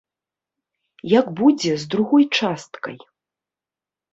Як будзе з другой часткай?